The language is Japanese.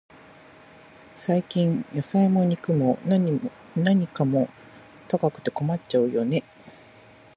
最近、野菜も肉も、何かも高くて困っちゃうよね。